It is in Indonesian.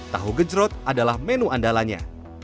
tahu gejrot adalah menu andalanya